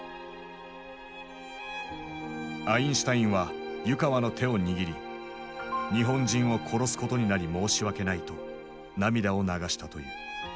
アインシュタインは湯川の手を握り「日本人を殺すことになり申し訳ない」と涙を流したという。